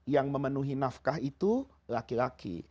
yang memenuhi nafkah itu laki laki